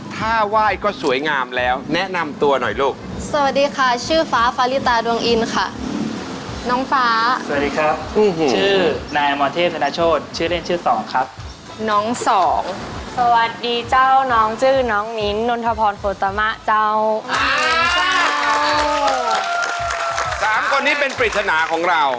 ถ้าว่ายก็สวยงามแล้วแนะนำตัวหน่อยลูก